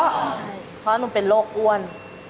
ใช่เพราะหนูเป็นโรคอ้วน